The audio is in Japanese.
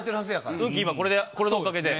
運気、今、これのおかげで。